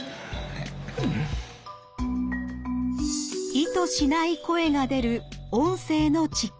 意図しない声が出る音声のチック。